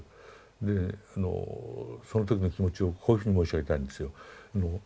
であのその時の気持ちをこういうふうに申し上げたいんですよ。